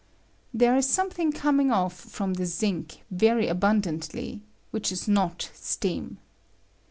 There is something coming off from the zinc very abundantly, which ia not steam.